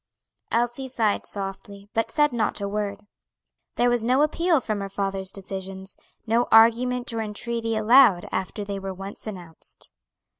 Elsie sighed softly, but said not a word. There was no appeal from her father's decisions, no argument or entreaty allowed after they were once announced.